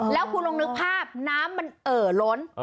แล้วคุณลองนึกภาพน้ำมันเอ่อล้น